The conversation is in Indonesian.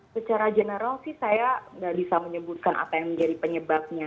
secara general sih saya nggak bisa menyebutkan apa yang menjadi penyebabnya